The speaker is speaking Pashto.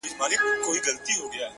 په سندرو په غزل په ترانو کي!.